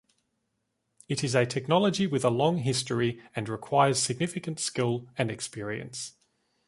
It is a technology with a long history and requires significant skill and experience.